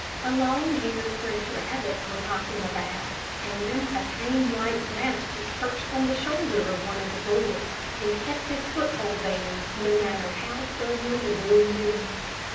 A long haired French rabbit was hopping about, and a tame white rat was perched on the shoulder of one of the boys, and kept his foothold there, no matter how suddenly the boy moved.